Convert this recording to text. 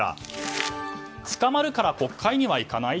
捕まるから国会には行かない？